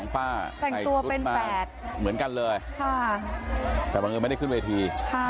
๒ป้าแต่สุดป้าเหมือนกันเลยแต่บางอย่างไม่ได้ขึ้นเวที